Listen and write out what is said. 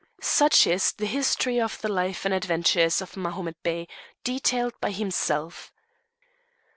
Such is the history of the life and adventures of Mahomet Bey as detailed by himself.